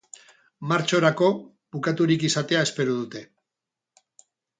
Martxorako bukaturik izatea espero dute.